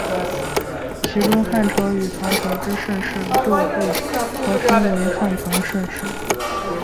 其中汉朝与唐朝之盛世又被合称为汉唐盛世。